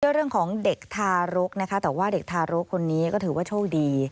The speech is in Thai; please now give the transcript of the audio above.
เรื่องของเด็กทารกนะคะแต่ว่าเด็กทารกคนนี้ก็ถือว่าโชคดี